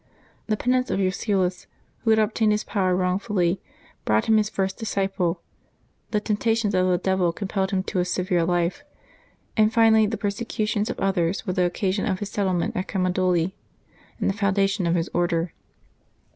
The penance of Urseolus, who had obtained his power wrongfully, brought him his first disciple; the temptations of the devil compelled him to his severe life; and finally the persecutions of others were the occasion of his settlement at Camaldoli, and the founda tion of his Order.